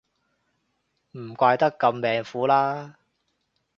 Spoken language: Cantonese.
唔怪得咁命苦啦